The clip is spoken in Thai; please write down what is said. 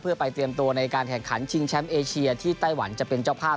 เพื่อไปเตรียมตัวในการแข่งขันชิงแชมป์เอเชียที่ไต้หวันจะเป็นเจ้าภาพ